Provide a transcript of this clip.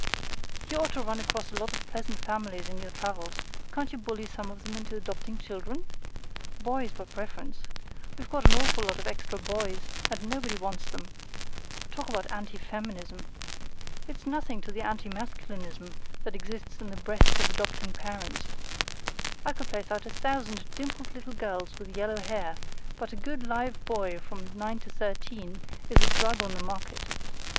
You ought to run across a lot of pleasant families in your travels; can't you bully some of them into adopting children? Boys by preference. We've got an awful lot of extra boys, and nobody wants them. Talk about anti feminism! It's nothing to the anti masculinism that exists in the breasts of adopting parents. I could place out a thousand dimpled little girls with yellow hair, but a good live boy from nine to thirteen is a drug on the market.